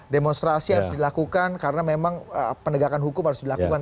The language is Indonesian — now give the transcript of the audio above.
demonstrasi harus dilakukan karena memang penegakan hukum harus dilakukan